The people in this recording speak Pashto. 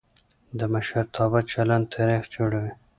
د مشرتابه چلند تاریخ جوړوي